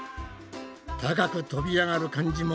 高く飛び上がる感じも。